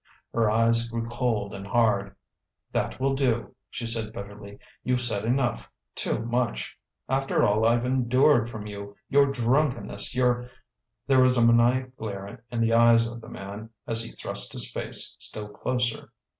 Her eyes grew cold and hard. "That will do," she said bitterly. "You've said enough too much. After all I've endured from you your drunkenness, your " There was a maniac glare in the eyes of the man as he thrust his face still closer.